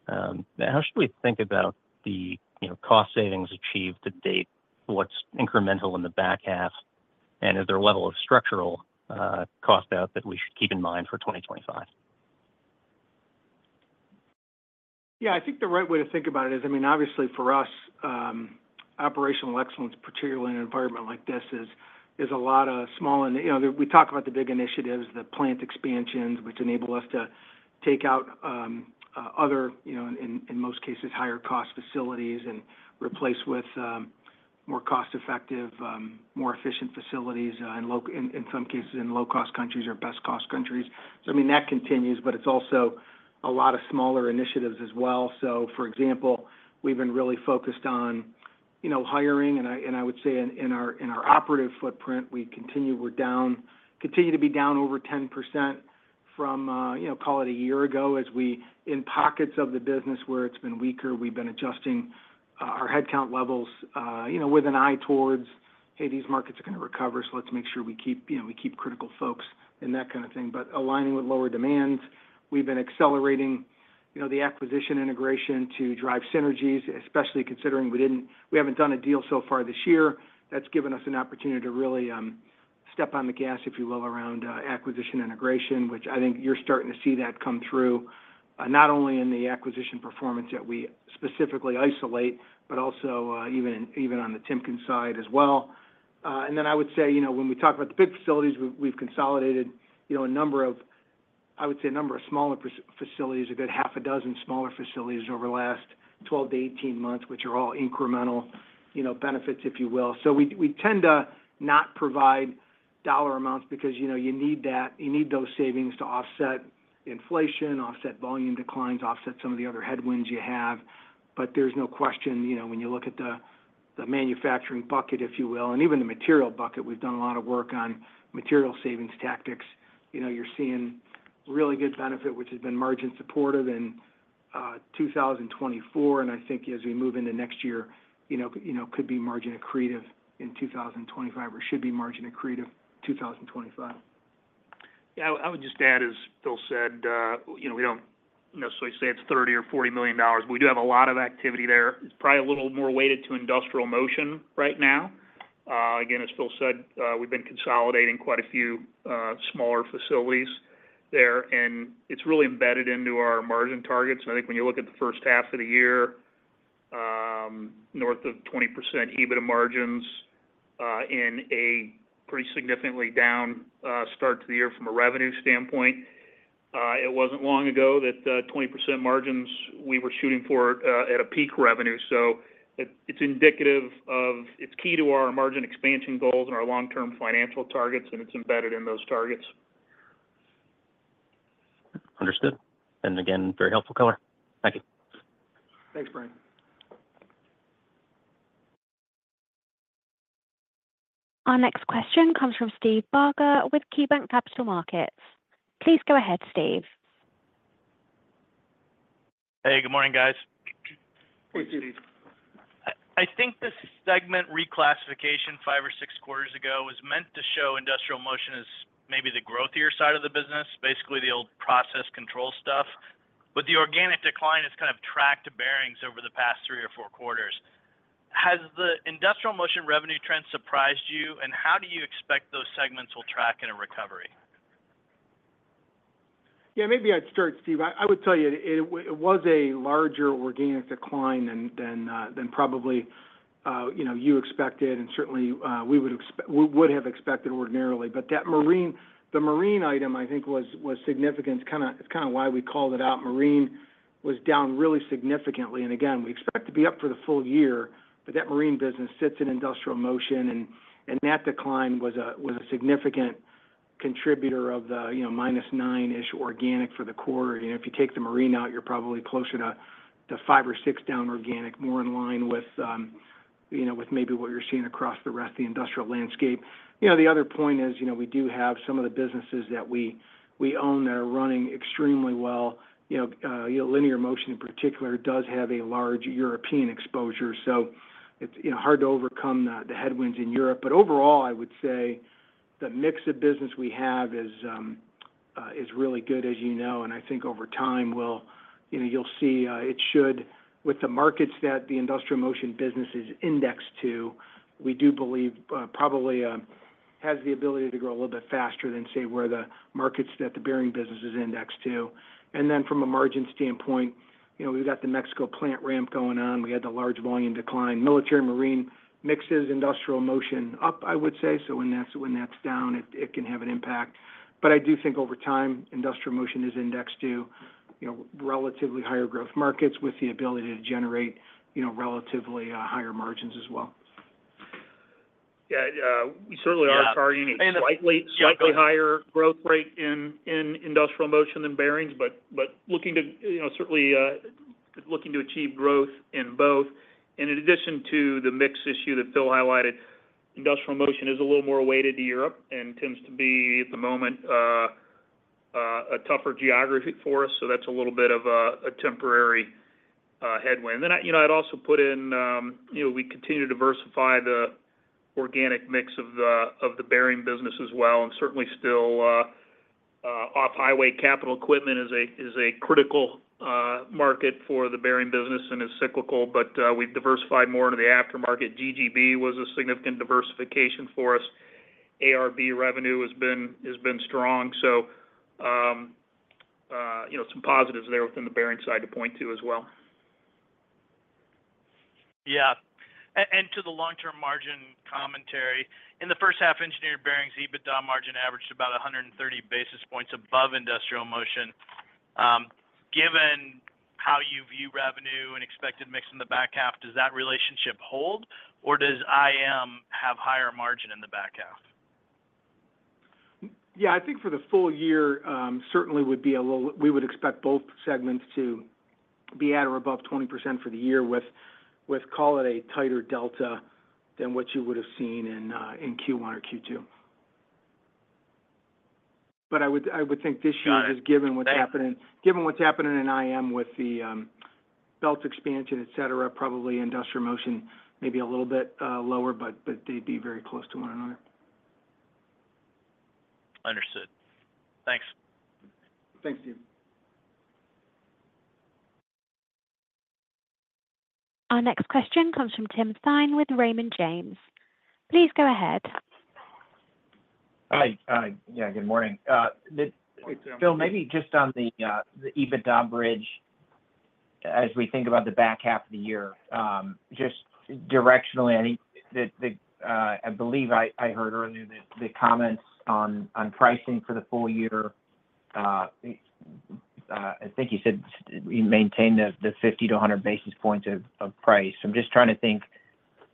How should we think about the, you know, cost savings achieved to date? What's incremental in the back half? And is there a level of structural, cost out that we should keep in mind for 2025? Yeah, I think the right way to think about it is, I mean, obviously, for us, operational excellence, particularly in an environment like this, is a lot of small. And, you know, we talk about the big initiatives, the plant expansions, which enable us to take out other, you know, in most cases, higher cost facilities and replace with more cost-effective, more efficient facilities in low-cost countries or best-cost countries. So I mean, that continues, but it's also a lot of smaller initiatives as well. So for example, we've been really focused on, you know, hiring, and I would say in our operating footprint, we continue to be down over 10% from, you know, call it a year ago. In pockets of the business where it's been weaker, we've been adjusting our headcount levels, you know, with an eye towards, "Hey, these markets are going to recover, so let's make sure we keep, you know, we keep critical folks," and that kind of thing. But aligning with lower demands, we've been accelerating, you know, the acquisition integration to drive synergies, especially considering we haven't done a deal so far this year. That's given us an opportunity to really step on the gas, if you will, around acquisition integration, which I think you're starting to see that come through, not only in the acquisition performance that we specifically isolate, but also even, even on the Timken side as well. And then I would say, you know, when we talk about the big facilities, we've consolidated, you know, a number of smaller facilities, a good half a dozen smaller facilities over the last 12 to 18 months, which are all incremental, you know, benefits, if you will. So we tend to not provide dollar amounts because, you know, you need that, you need those savings to offset inflation, offset volume declines, offset some of the other headwinds you have. But there's no question, you know, when you look at the manufacturing bucket, if you will, and even the material bucket, we've done a lot of work on material savings tactics. You know, you're seeing really good benefit, which has been margin supportive in 2024, and I think as we move into next year, you know, you know, could be margin accretive in 2025, or should be margin accretive, 2025. Yeah, I would just add, as Phil said, you know, we don't necessarily say it's $30 million or $40 million. We do have a lot of activity there. It's probably a little more weighted to industrial motion right now. Again, as Phil said, we've been consolidating quite a few, smaller facilities there, and it's really embedded into our margin targets. I think when you look at the first half of the year, north of 20% EBITDA margins, in a pretty significantly down, start to the year from a revenue standpoint. It wasn't long ago that, 20% margins we were shooting for, at a peak revenue. So it's indicative of-- it's key to our margin expansion goals and our long-term financial targets, and it's embedded in those targets. Understood. And again, very helpful color. Thank you. Thanks, Bryan. Our next question comes from Steve Barger with KeyBanc Capital Markets. Please go ahead, Steve. Hey, good morning, guys. Hey, Steve. I think this segment reclassification five or six quarters ago was meant to show Industrial Motion as maybe the growthier side of the business, basically the old process control stuff. But the organic decline has kind of tracked Bearings over the past three or four quarters. Has the Industrial Motion revenue trend surprised you, and how do you expect those segments will track in a recovery? Yeah, maybe I'd start, Steve. I would tell you it was a larger organic decline than probably you know you expected, and certainly we would expect, we would have expected ordinarily. But that marine, the marine item, I think, was significant. It's kinda, it's kinda why we called it out. Marine was down really significantly, and again, we expect to be up for the full year, but that marine business sits in industrial motion, and that decline was a significant contributor of the, you know, minus 9-ish organic for the quarter. You know, if you take the marine out, you're probably closer to 5 or 6 down organic, more in line with you know with maybe what you're seeing across the rest of the industrial landscape. You know, the other point is, you know, we do have some of the businesses that we own that are running extremely well. You know, linear motion, in particular, does have a large European exposure, so it's, you know, hard to overcome the headwinds in Europe. But overall, I would say the mix of business we have is really good, as you know, and I think over time, we'll, you know, you'll see, it should, with the markets that the industrial motion business is indexed to, we do believe, probably, has the ability to grow a little bit faster than, say, where the markets that the bearing business is indexed to. And then from a margin standpoint, you know, we've got the Mexico plant ramp going on. We had the large volume decline. Military marine mixes industrial motion up, I would say. So when that's down, it can have an impact. But I do think over time, industrial motion is indexed to, you know, relatively higher growth markets with the ability to generate, you know, relatively higher margins as well. Yeah, we certainly are targeting a slightly higher growth rate in Industrial motion than bearings, but looking to, you know, certainly looking to achieve growth in both. In addition to the mix issue that Phil highlighted, Industrial motion is a little more weighted to Europe and tends to be, at the moment, a tougher geography for us. So that's a little bit of a temporary headwind. Then, you know, I'd also put in, you know, we continue to diversify the organic mix of the bearing business as well, and certainly still off-highway capital equipment is a critical market for the bearing business and is cyclical, but we've diversified more into the aftermarket. GGB was a significant diversification for us. ARB revenue has been strong. You know, some positives there within the bearing side to point to as well. Yeah. And to the long-term margin commentary, in the first half, engineered bearings EBITDA margin averaged about 130 basis points above industrial motion. Given how you view revenue and expected mix in the back half, does that relationship hold, or does IM have higher margin in the back half? Yeah, I think for the full year, certainly would be a little. We would expect both segments to be at or above 20% for the year, with, with call it a tighter delta than what you would have seen in, in Q1 or Q2. But I would, I would think this year, just given what's happening, given what's happening in IM with the, belts expansion, et cetera, probably industrial motion may be a little bit, lower, but, but they'd be very close to one another. Understood. Thanks. Thanks, Steve. Our next question comes from Tim Thein with Raymond James. Please go ahead. Hi. Yeah, good morning. Phil, maybe just on the EBITDA bridge, as we think about the back half of the year, just directionally, I think that I believe I heard earlier the comments on pricing for the full year. I think you said you maintain the 50 to 100 basis points of price. I'm just trying to think,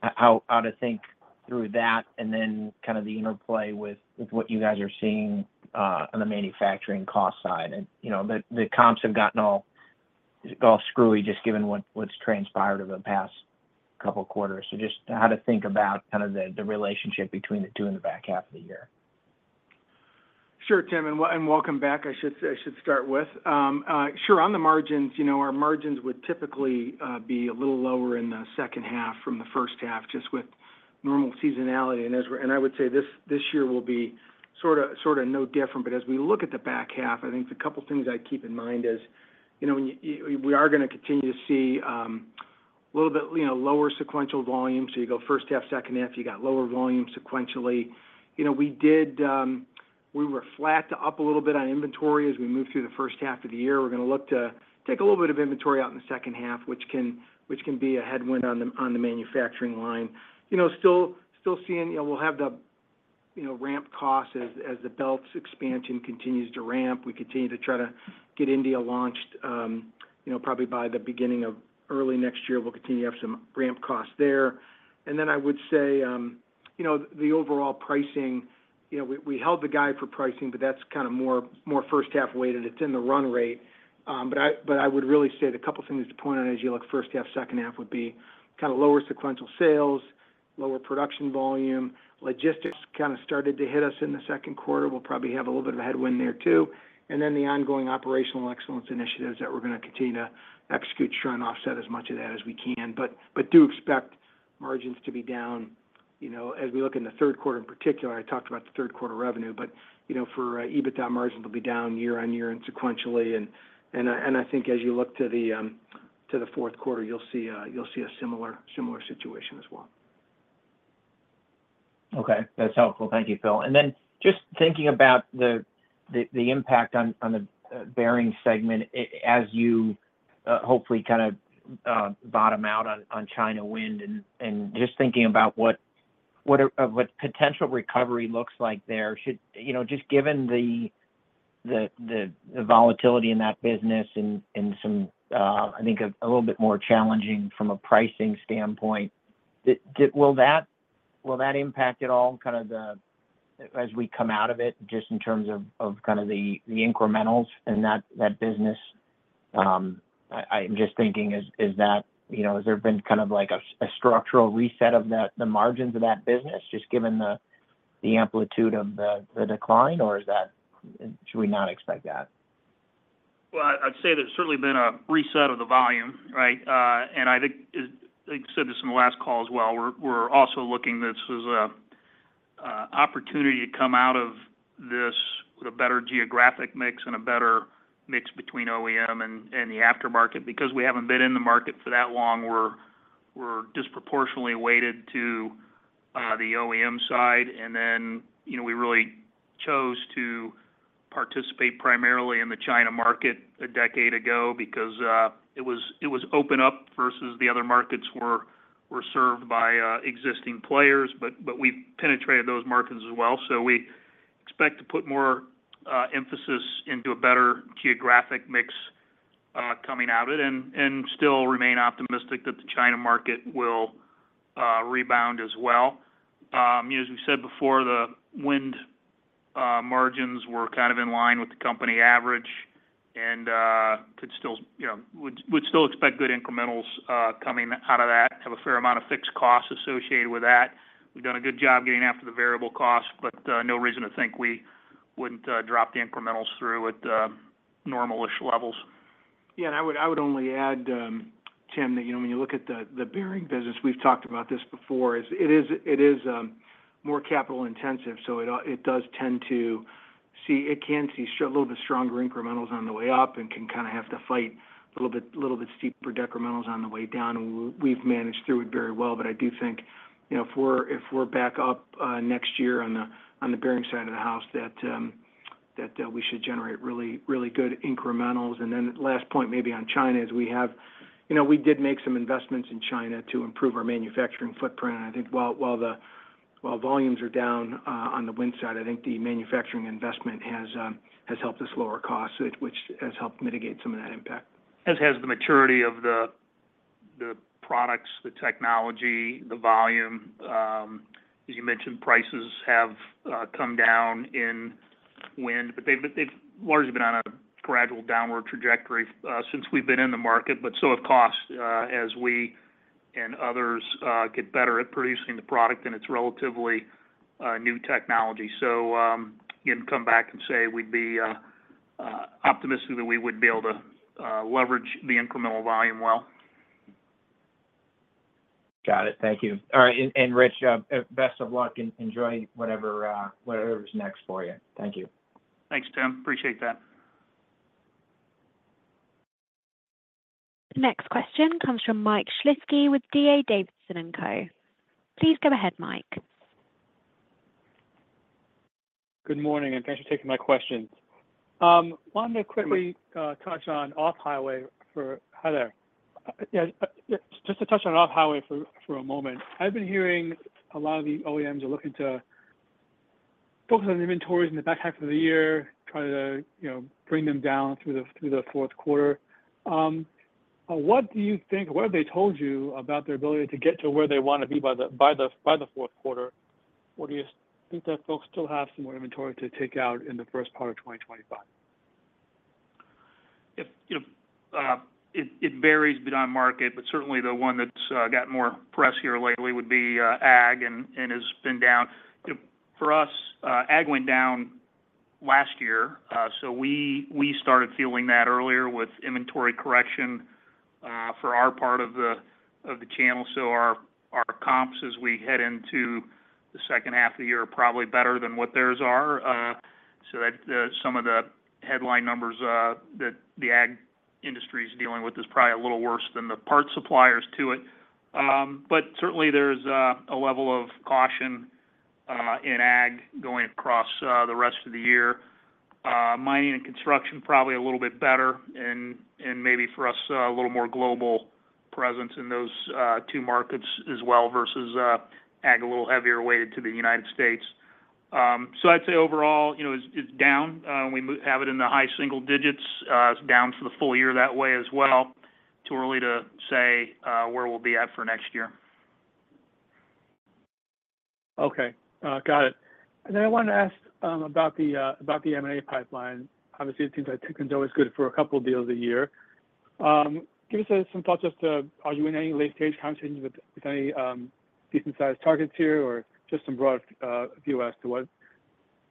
how to think through that, and then kind of the interplay with what you guys are seeing on the manufacturing cost side. You know, the comps have gotten all screwy, just given what's transpired over the past couple quarters. So just how to think about kind of the relationship between the two in the back half of the year. Sure, Tim, and welcome back. I should start with. Sure, on the margins, you know, our margins would typically be a little lower in the second half from the first half, just with normal seasonality. And I would say this, this year will be sorta no different. But as we look at the back half, I think the couple things I'd keep in mind is, you know, we are gonna continue to see a little bit, you know, lower sequential volume. So you go first half, second half, you got lower volume sequentially. You know, we did, we were flat to up a little bit on inventory as we moved through the first half of the year. We're gonna look to take a little bit of inventory out in the second half, which can be a headwind on the manufacturing line. You know, still seeing... You know, we'll have the ramp costs as the belts expansion continues to ramp. We continue to try to get India launched, you know, probably by the beginning of early next year. We'll continue to have some ramp costs there. And then I would say, you know, the overall pricing, you know, we held the guide for pricing, but that's kind of more first half weighted. It's in the run rate. But I would really say the couple things to point out as you look first half, second half would be kinda lower sequential sales, lower production volume. Logistics kinda started to hit us in the second quarter. We'll probably have a little bit of a headwind there, too. And then the ongoing operational excellence initiatives that we're gonna continue to execute, try and offset as much of that as we can. But do expect margins to be down, you know, as we look in the third quarter, in particular. I talked about the third quarter revenue, but, you know, for EBITDA, margins will be down year-over-year and sequentially. And I think as you look to the fourth quarter, you'll see a similar situation as well. Okay. That's helpful. Thank you, Phil. And then just thinking about the impact on the bearings segment, as you hopefully kind of bottom out on China wind, and just thinking about what a potential recovery looks like there. Should you know, just given the volatility in that business and some, I think a little bit more challenging from a pricing standpoint, will that impact at all, kind of, as we come out of it, just in terms of kind of the incrementals in that business? I'm just thinking, is that... You know, has there been kind of like a structural reset of the margins of that business, just given the amplitude of the decline, or is that—should we not expect that? Well, I'd say there's certainly been a reset of the volume, right? And I think, as I said this in the last call as well, we're also looking this as a opportunity to come out of this with a better geographic mix and a better mix between OEM and the aftermarket. Because we haven't been in the market for that long, we're disproportionately weighted to the OEM side. And then, you know, we really chose to participate primarily in the China market a decade ago because it was open up versus the other markets were served by existing players, but we've penetrated those markets as well. So we expect to put more emphasis into a better geographic mix coming out of it, and still remain optimistic that the China market will rebound as well. As we said before, the wind margins were kind of in line with the company average, and could still, you know, would still expect good incrementals coming out of that, have a fair amount of fixed costs associated with that. We've done a good job getting after the variable costs, but no reason to think we wouldn't drop the incrementals through at normal-ish levels. Yeah, and I would only add, Tim, that, you know, when you look at the bearing business, we've talked about this before, it is more capital intensive, so it does tend to see it can see a little bit stronger incrementals on the way up and can kind of have to fight a little bit steeper decrementals on the way down, and we've managed through it very well. But I do think, you know, if we're back up next year on the bearing side of the house, that we should generate really good incrementals. And then last point, maybe on China, is we have you know, we did make some investments in China to improve our manufacturing footprint. I think while volumes are down on the wind side, I think the manufacturing investment has helped us lower costs, which has helped mitigate some of that impact. As has the maturity of the products, the technology, the volume. As you mentioned, prices have come down in wind, but they've largely been on a gradual downward trajectory since we've been in the market, but so have costs as we and others get better at producing the product, and it's relatively new technology. So you can come back and say we'd be optimistic that we would be able to leverage the incremental volume well. Got it. Thank you. All right, and, and Rich, best of luck, and enjoy whatever, whatever's next for you. Thank you. Thanks, Tim. Appreciate that. Next question comes from Mike Shlisky with D.A. Davidson & Co. Please go ahead, Mike. Good morning, and thanks for taking my questions. Wanted to quickly- Sure... touch on off-highway for... Hi there. Yeah, just to touch on off-highway for a moment. I've been hearing a lot of the OEMs are looking to... focus on the inventories in the back half of the year, try to, you know, bring them down through the fourth quarter. What do you think, what have they told you about their ability to get to where they want to be by the fourth quarter? Or do you think that folks still have some more inventory to take out in the first part of 2025? If, you know, it varies by market, but certainly the one that's got more press here lately would be ag, and has been down. For us, ag went down last year, so we started feeling that earlier with inventory correction for our part of the channel. So our comps as we head into the second half of the year are probably better than what theirs are. So that some of the headline numbers that the ag industry is dealing with is probably a little worse than the parts suppliers to it. But certainly there's a level of caution in ag going across the rest of the year. Mining and construction, probably a little bit better, and maybe for us, a little more global presence in those two markets as well, versus ag, a little heavier weight to the United States. So I'd say overall, you know, it's down. We have it in the high single digits. It's down for the full year that way as well. Too early to say where we'll be at for next year. Okay. Got it. And then I wanted to ask about the M&A pipeline. Obviously, it seems like Timken's always good for a couple of deals a year. Give us some thoughts as to, are you in any late-stage conversations with any decent-sized targets here, or just some broad view as to what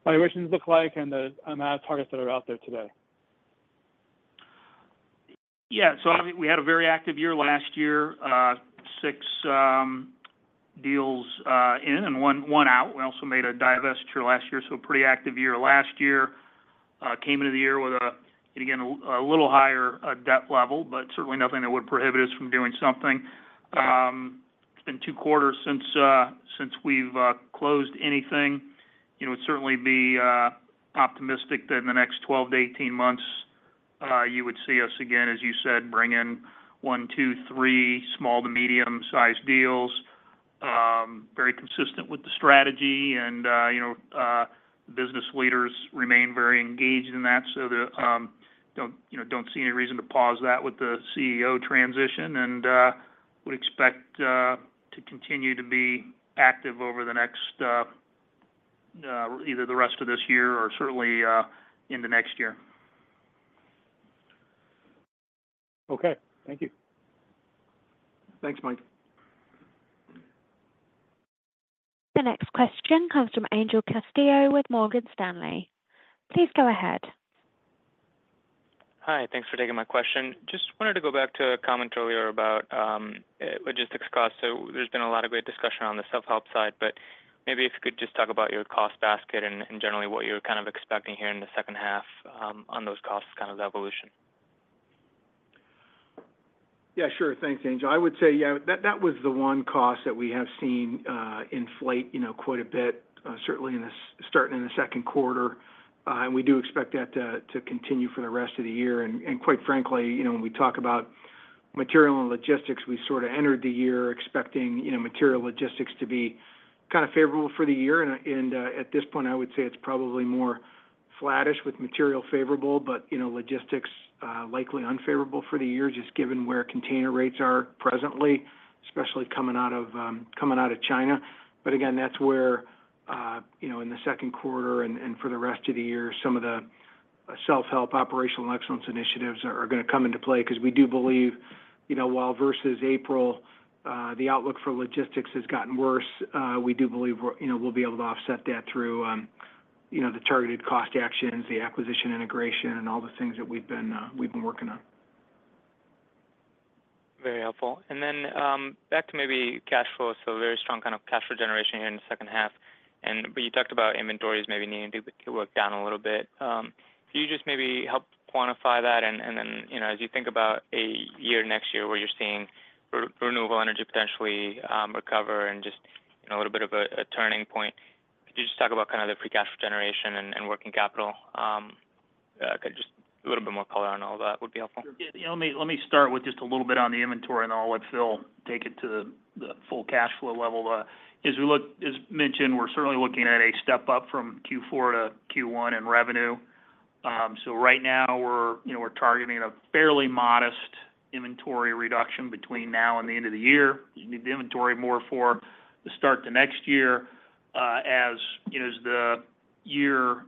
valuations look like and the M&A targets that are out there today? Yeah. So obviously we had a very active year last year, six deals in and one out. We also made a divestiture last year, so a pretty active year last year. Came into the year with, again, a little higher debt level, but certainly nothing that would prohibit us from doing something. It's been 2 quarters since we've closed anything. You know, it would certainly be optimistic that in the next 12 to 18 months, you would see us again, as you said, bring in 1, 2, 3 small to medium-sized deals. Very consistent with the strategy and, you know, business leaders remain very engaged in that. So, don't you know, don't see any reason to pause that with the CEO transition, and would expect to continue to be active over the next either the rest of this year or certainly into next year. Okay. Thank you. Thanks, Mike. The next question comes from Angel Castillo with Morgan Stanley. Please go ahead. Hi, thanks for taking my question. Just wanted to go back to a comment earlier about logistics costs. So there's been a lot of great discussion on the self-help side, but maybe if you could just talk about your cost basket and generally what you're kind of expecting here in the second half on those costs, kind of the evolution. Yeah, sure. Thanks, Angel. I would say, yeah, that, that was the one cost that we have seen, inflate, you know, quite a bit, certainly in the-- starting in the second quarter. And we do expect that to, to continue for the rest of the year. And, and quite frankly, you know, when we talk about material and logistics, we sort of entered the year expecting, you know, material logistics to be kind of favorable for the year. And, at this point, I would say it's probably more flattish with material favorable, but, you know, logistics, likely unfavorable for the year, just given where container rates are presently, especially coming out of, coming out of China. But again, that's where, you know, in the second quarter and for the rest of the year, some of the self-help operational excellence initiatives are going to come into play because we do believe, you know, while versus April, the outlook for logistics has gotten worse, we do believe, you know, we'll be able to offset that through, you know, the targeted cost actions, the acquisition integration, and all the things that we've been working on. Very helpful. And then, back to maybe cash flow. So very strong kind of cash flow generation here in the second half. And but you talked about inventories maybe needing to be worked down a little bit. Can you just maybe help quantify that? And, and then, you know, as you think about a year next year where you're seeing renewable energy potentially recover and just, you know, a little bit of a turning point, could you just talk about kind of the free cash flow generation and, and working capital? Just a little bit more color on all that would be helpful. Yeah. Let me, let me start with just a little bit on the inventory, and I'll let Phil take it to the full cash flow level. As we look, as mentioned, we're certainly looking at a step up from Q4 to Q1 in revenue. So right now we're, you know, we're targeting a fairly modest inventory reduction between now and the end of the year. You need the inventory more for the start to next year. As, you know, as the year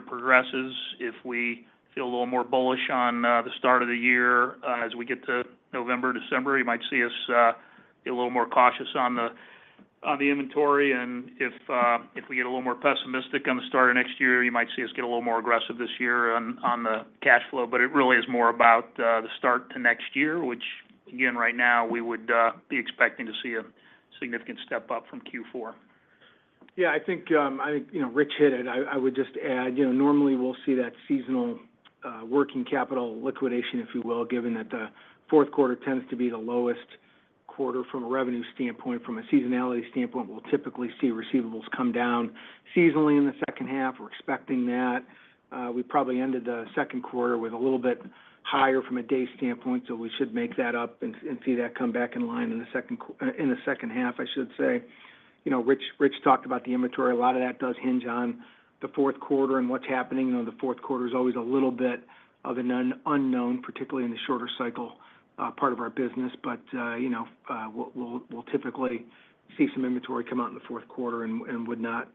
progresses, if we feel a little more bullish on the start of the year, as we get to November, December, you might see us be a little more cautious on the inventory. If we get a little more pessimistic on the start of next year, you might see us get a little more aggressive this year on the cash flow. But it really is more about the start to next year, which, again, right now, we would be expecting to see a significant step up from Q4. Yeah, I think, I think, you know, Rich hit it. I would just add, you know, normally we'll see that seasonal working capital liquidation, if you will, given that the fourth quarter tends to be the lowest quarter from a revenue standpoint. From a seasonality standpoint, we'll typically see receivables come down seasonally in the second half. We're expecting that. We probably ended the second quarter with a little bit higher from a day standpoint, so we should make that up and see that come back in line in the second half, I should say... You know, Rich talked about the inventory. A lot of that does hinge on the fourth quarter and what's happening. You know, the fourth quarter is always a little bit of an unknown, particularly in the shorter cycle part of our business. You know, we'll typically see some inventory come out in the fourth quarter and would not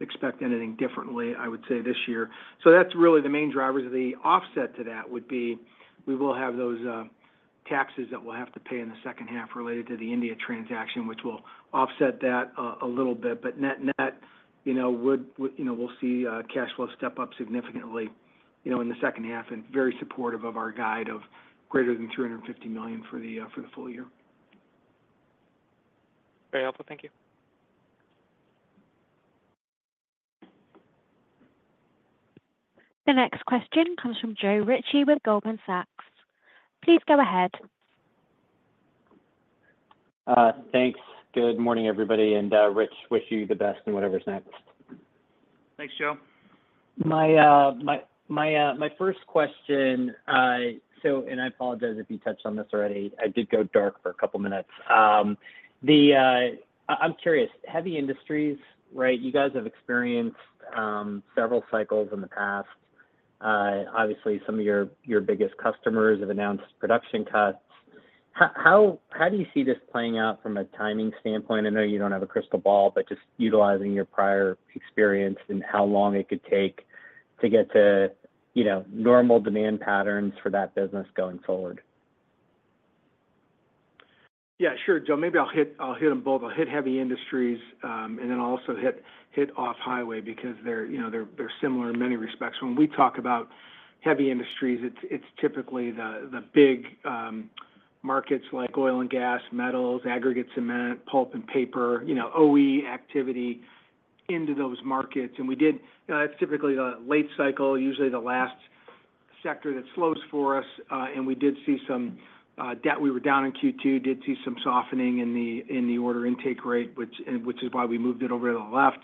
expect anything differently, I would say, this year. So that's really the main drivers. The offset to that would be, we will have those taxes that we'll have to pay in the second half related to the India transaction, which will offset that a little bit. But net net, you know, we'll see cash flow step up significantly, you know, in the second half, and very supportive of our guide of greater than $350 million for the full year. Very helpful. Thank you. The next question comes from Joe Ritchie with Goldman Sachs. Please go ahead. Thanks. Good morning, everybody, and Rich, wish you the best in whatever's next. Thanks, Joe. My first question, so—and I apologize if you touched on this already. I did go dark for a couple of minutes. I'm curious, heavy industries, right? You guys have experienced several cycles in the past. Obviously, some of your biggest customers have announced production cuts. How do you see this playing out from a timing standpoint? I know you don't have a crystal ball, but just utilizing your prior experience and how long it could take to get to, you know, normal demand patterns for that business going forward. Yeah, sure, Joe. Maybe I'll hit them both. I'll hit heavy industries, and then I'll also hit off highway because they're, you know, they're similar in many respects. When we talk about heavy industries, it's typically the big markets like oil and gas, metals, aggregate cement, pulp and paper, you know, OE activity into those markets. And we did. It's typically the late cycle, usually the last sector that slows for us, and we did see some debt. We were down in Q2, did see some softening in the order intake rate, which is why we moved it over to the left.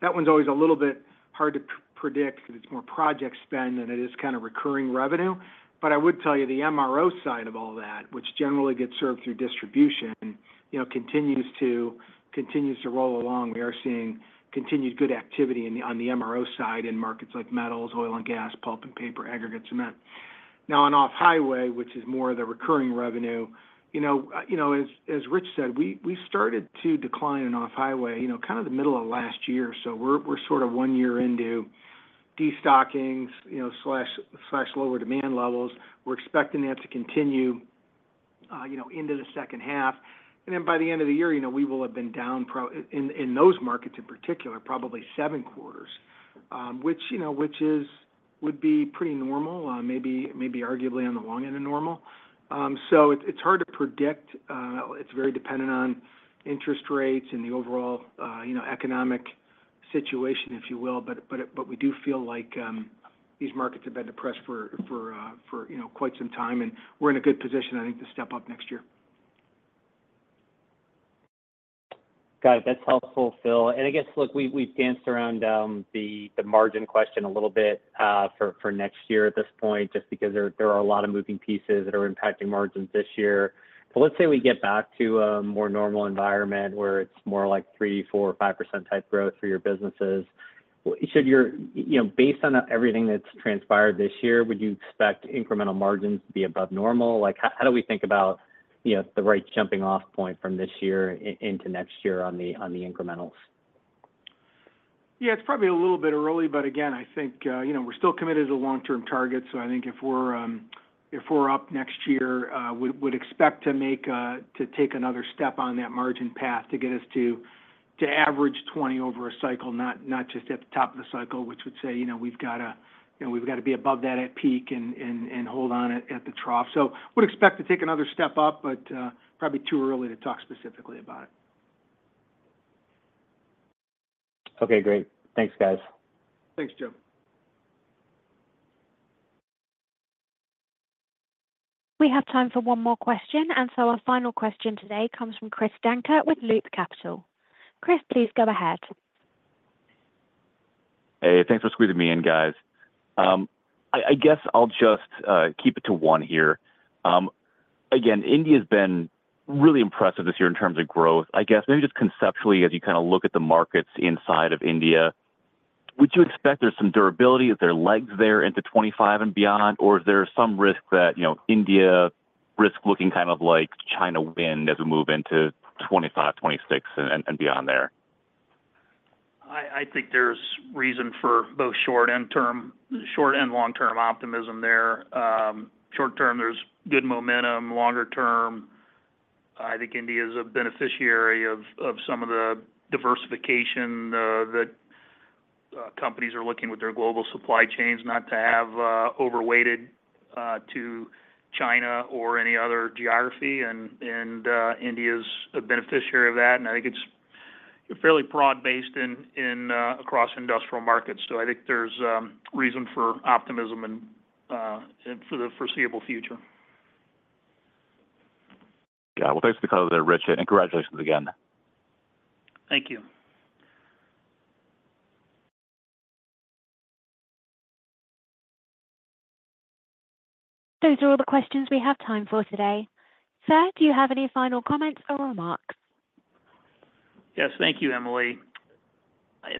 That one's always a little bit hard to predict because it's more project spend than it is kinda recurring revenue. But I would tell you, the MRO side of all that, which generally gets served through distribution, you know, continues to, continues to roll along. We are seeing continued good activity in the, on the MRO side in markets like metals, oil and gas, pulp and paper, aggregate, cement. Now, on off highway, which is more of the recurring revenue, you know, you know, as, as Rich said, we, we started to decline in off highway, you know, kind of the middle of last year. So we're, we're sort of one year into destockings, you know, slash, slash lower demand levels. We're expecting that to continue, you know, into the second half. And then by the end of the year, you know, we will have been down pro...In those markets, in particular, probably seven quarters, which, you know, which is would be pretty normal, maybe arguably on the long end of normal. So it's hard to predict. It's very dependent on interest rates and the overall, you know, economic situation, if you will. But we do feel like these markets have been depressed for you know quite some time, and we're in a good position, I think, to step up next year. Got it. That's helpful, Phil. And I guess, look, we've danced around the margin question a little bit for next year at this point, just because there are a lot of moving pieces that are impacting margins this year. But let's say we get back to a more normal environment where it's more like 3, 4, or 5% type growth for your businesses. Should your... You know, based on everything that's transpired this year, would you expect incremental margins to be above normal? Like, how do we think about, you know, the right jumping-off point from this year into next year on the incrementals? Yeah, it's probably a little bit early, but again, I think, you know, we're still committed to the long-term target. So I think if we're, if we're up next year, we would expect to make a, to take another step on that margin path to get us to, to average 20 over a cycle, not, not just at the top of the cycle, which would say, you know, we've got to, you know, we've got to be above that at peak and, and, and hold on at, at the trough. So would expect to take another step up, but, probably too early to talk specifically about it. Okay, great. Thanks, guys. Thanks, Joe. We have time for one more question, and so our final question today comes from Chris Dankert with Loop Capital. Chris, please go ahead. Hey, thanks for squeezing me in, guys. I guess I'll just keep it to one here. Again, India's been really impressive this year in terms of growth. I guess, maybe just conceptually, as you kinda look at the markets inside of India, would you expect there's some durability? Is there legs there into 25 and beyond, or is there some risk that, you know, India risk looking kind of like China wind as we move into 25, 26 and beyond there? I think there's reason for both short- and long-term optimism there. Short term, there's good momentum. Longer term, I think India is a beneficiary of some of the diversification that companies are looking with their global supply chains, not to have overweighted to China or any other geography, and India is a beneficiary of that. And I think it's fairly broad-based across industrial markets. So I think there's reason for optimism and for the foreseeable future. Yeah. Well, thanks for the call there, Rich, and congratulations again. Thank you. Those are all the questions we have time for today. Sir, do you have any final comments or remarks? Yes. Thank you, Emily.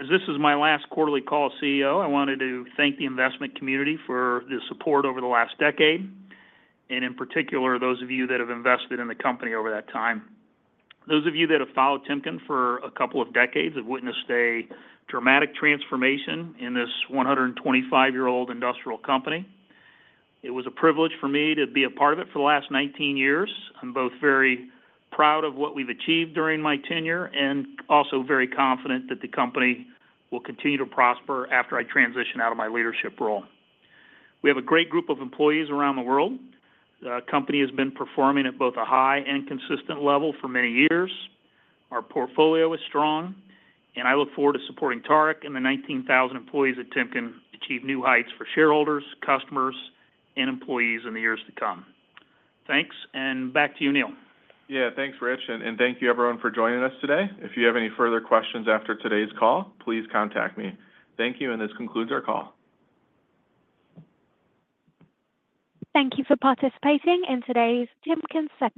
As this is my last quarterly call as CEO, I wanted to thank the investment community for their support over the last decade, and in particular, those of you that have invested in the company over that time. Those of you that have followed Timken for a couple of decades have witnessed a dramatic transformation in this 125-year-old industrial company. It was a privilege for me to be a part of it for the last 19 years. I'm both very proud of what we've achieved during my tenure and also very confident that the company will continue to prosper after I transition out of my leadership role. We have a great group of employees around the world. The company has been performing at both a high and consistent level for many years. Our portfolio is strong, and I look forward to supporting Tarak and the 19,000 employees at Timken achieve new heights for shareholders, customers, and employees in the years to come. Thanks, and back to you, Neil. Yeah, thanks, Rich, and thank you, everyone, for joining us today. If you have any further questions after today's call, please contact me. Thank you, and this concludes our call. Thank you for participating in today's Timken second-